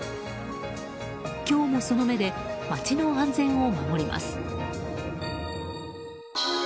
今日も、その目で街の安全を守ります。